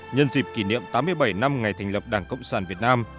nhân dịp kỷ niệm tám mươi bảy năm ngày thành lập đảng cộng sản việt nam